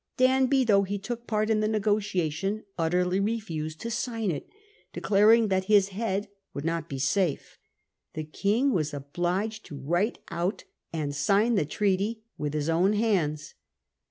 Danby, though he took part in the negotiation, utterly refused to sign it, declaring that his head would not be safe. The King was obliged to write out and sign the treaty with his own hands.